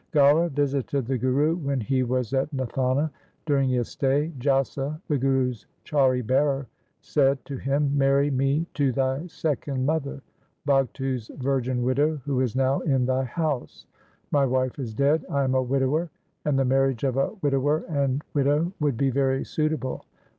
Gaura visited the Guru when he was at Nathana. During his stay Jassa, the Guru's chauri bearer, said to him, ' Marry me to thy second mother, Bhagtu's virgin widow, who is now in thy house. My wife is dead. I am a widower, and the marriage of a widower and widow would be very suitable.'